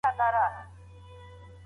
املا د ژبني مهارتونو یوه مهمه ستن ده.